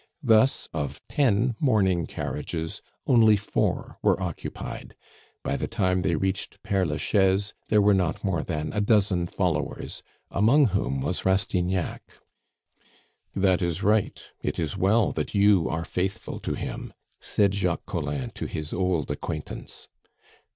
Thus of ten mourning carriages, only four were occupied. By the time they reached Pere Lachaise there were not more than a dozen followers, among whom was Rastignac. "That is right; it is well that you are faithful to him," said Jacques Collin to his old acquaintance.